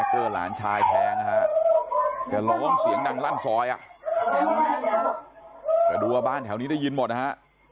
๗๙อ่ะหลานชายแทงฮะแต่ล้มเสียงดังลั่นซอยแต่ดูบ้านแถวนี้ได้ยินหมดนะฮะ